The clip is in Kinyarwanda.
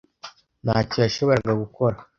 Ntacyo yashoboraga gukora.